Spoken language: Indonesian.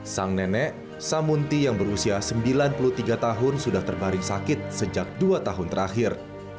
sang nenek samunti yang berusia sembilan puluh tiga tahun sudah terbaring sakit sejak dua tahun terakhir